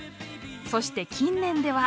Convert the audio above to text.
そして近年では。